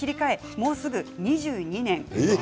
もうすぐ２２年。